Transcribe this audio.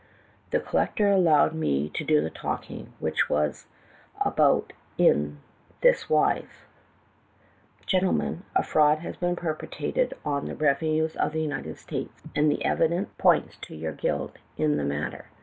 The collector allowed me to do the talking, which was about in this wise: "'Gentlemen, a fraud has been perpetrated on the revenues of the United States, and the evidence A CHEMICAL DETECTIVE. 311 points to your guilt in the matter.